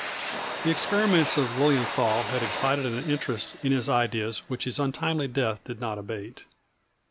The experiments of Lilienthal had excited an interest in his ideas which his untimely death did not abate.